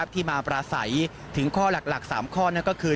ที่มาปราศัยถึงข้อหลัก๓ข้อนั่นก็คือ